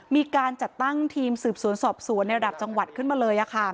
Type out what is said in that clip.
มีการจัดตั้งทีมสืบสวนสอบสวนในระดับจังหวัดขึ้นมาเลย